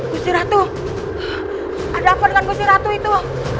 gusir ratu ada apa dengan gusir ratu itu